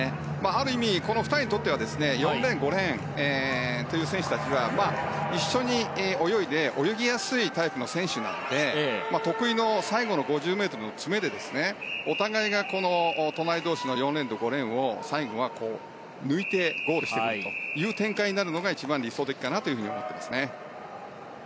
ある意味、この２人にとっては４レーン、５レーンという選手たちは一緒に泳いで泳ぎやすいタイプの選手なので得意の最後の５０ｍの詰めでお互いが隣同士の４レーンと５レーンを最後は抜いてゴールしてくる展開が一番理想的かなと思ってますね。